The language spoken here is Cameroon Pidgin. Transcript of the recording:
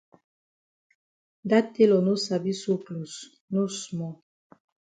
Dat tailor no sabi sew closs no small.